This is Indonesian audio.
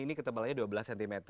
ini ketebalannya dua belas cm